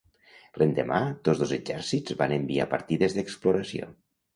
L'endemà tots dos exèrcits van enviar partides d'exploració.